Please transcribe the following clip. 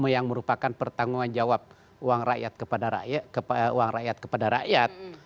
yang merupakan pertanggung jawab uang rakyat kepada rakyat